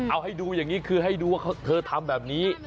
เอาให้ดูอย่างนี้คือให้ดูว่าเธอทำแบบนี้